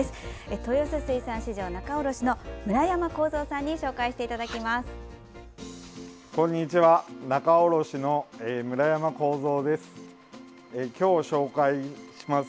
豊洲水産市場仲卸の村山浩三さんに紹介していただきます。